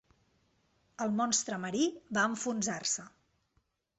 El "monstre marí" va enfonsar-se.